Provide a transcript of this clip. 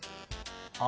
あ。